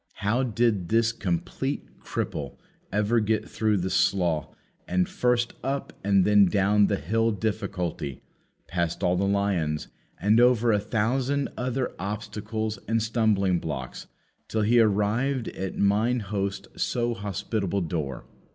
How did this complete cripple ever get through the Slough, and first up and then down the Hill Difficulty, and past all the lions, and over a thousand other obstacles and stumbling blocks, till he arrived at mine host's so hospitable door?